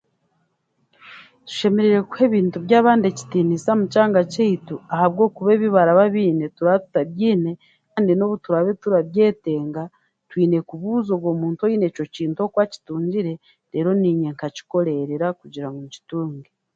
Tushemereire kuha ebintu by'abandi ekitiinisa omu kyanga keitu ahabwokuba ebi baraba biine turaba tutabiine kandi n'obu turaabe turabyetenga twine kubuza ogwe muntu okwakitungire reero naanye nkakikoreerera kugira nkitunge.